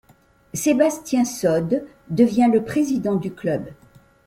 Sébastien Sode devient le président du club.